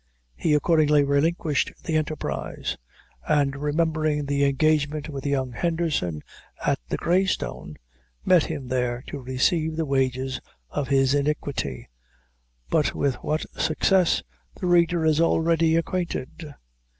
He accordingly relinquished the enterprise; and remembering the engagement with young Henderson at the Grey Stone, met him there, to receive the wages of his iniquity; but with what success, the reader is already acquainted.